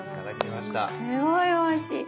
すごいおいしい。